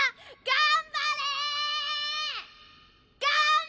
頑張れっ！